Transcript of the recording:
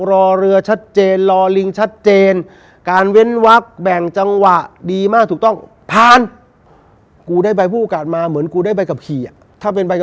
รอเรือชัดเจนรอลิงชัดเจนการเว้นวักแบ่งจำวะดีมากถูกต้อง